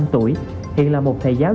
sáu mươi năm tuổi hiện là một thầy giáo